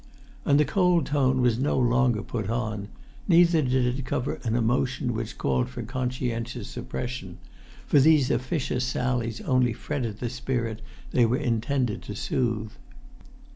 And the cold tone was no longer put on; neither did it cover an emotion which called for conscientious suppression; for these officious sallies only fretted the spirit they were intended to soothe.